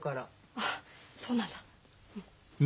あそうなんだ。